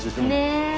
ねえ。